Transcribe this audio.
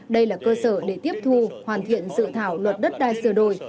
đây là cơ sở để tiếp thu hoàn thiện dự thảo luật đất đai sửa đổi